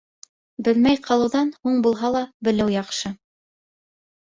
Белмәй ҡалыуҙан, һуң булһа ла, белеү яҡшы.